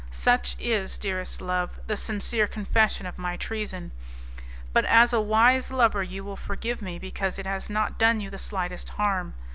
Such is, dearest love, the sincere confession of my treason, but as a wise lover you will forgive me because it has not done you the slightest harm.